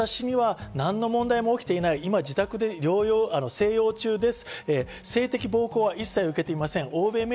私には何の問題もない、自宅で静養中です。